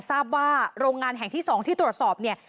ทราบว่าโรงงานแห่งที่๒ที่ตรวจสอบเนี่ย